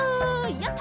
やった！